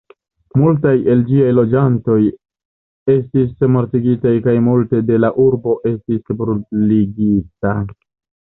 Multaj el ĝiaj loĝantoj estis mortigitaj kaj multe de la urbo estis bruligita.